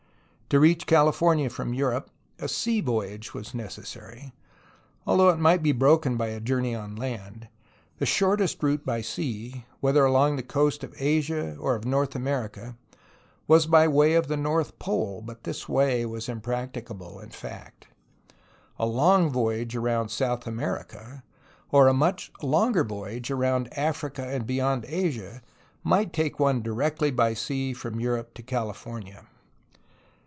To reach California from Europe a sea voyage was neces sary, although it might be broken by a journey on land. The shortest route by sea, whether along the coast of Asia or of North America, was by way of the North Pole, but this way was impracticable in fact. A long voyage around South America or a much longer voyage around Africa and beyond Asia might take one directly by sea from Europe to California.